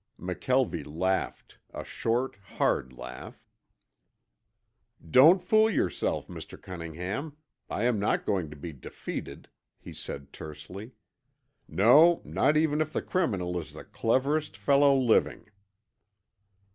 McKelvie laughed a short, hard laugh. "Don't fool yourself, Mr. Cunningham. I am not going to be defeated," he said tersely. "No, not even if the criminal is the cleverest fellow living."